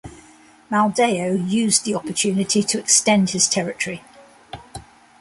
Maldeo used the opportunity to extend his territory.